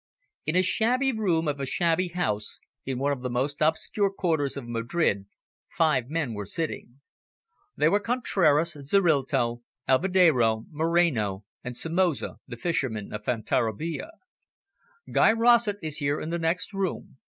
In a shabby room of a shabby house in one of the most obscure quarters of Madrid, five men were sitting. They were Contraras, Zorrilta, Alvedero, Moreno, and Somoza, the fisherman of Fonterrabia. "Guy Rossett is here, in the next room."